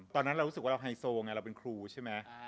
ตอนนั้นเรารู้สึกว่าเราไฮโซไงเราเป็นครูใช่ไหม